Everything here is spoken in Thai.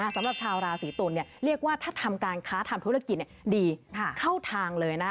สำหรับชาวราศีตุลเรียกว่าถ้าทำการค้าทำธุรกิจดีเข้าทางเลยนะ